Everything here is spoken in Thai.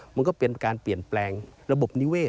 มันก็เป็นการเปลี่ยนแปลงระบบนิเวศ